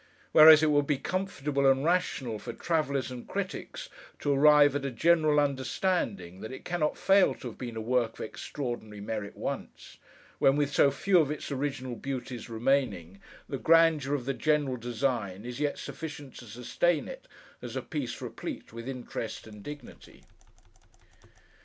Whereas, it would be comfortable and rational for travellers and critics to arrive at a general understanding that it cannot fail to have been a work of extraordinary merit, once: when, with so few of its original beauties remaining, the grandeur of the general design is yet sufficient to sustain it, as a piece replete with interest and dignity.